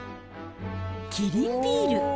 キリンビール。